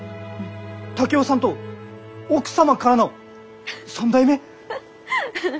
竹雄さんと奥様からの３代目？フフ。